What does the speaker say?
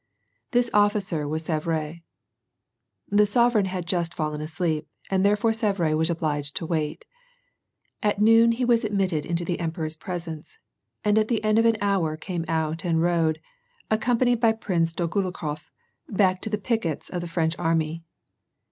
This officer was Savary. The sovereign had just fallen asleep, and therefore Savary was obliged to wait. At noon he was admitted into the empe ror's presence, and at the end of an hour came out and rode, accompanied by Prince Dolgonikof, back to the pickets of the French arm}